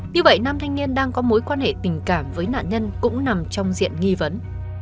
như vậy nam thanh niên đang có mối quan hệ tình cảm với nạn nhân cũng nằm trong diện nghi vấn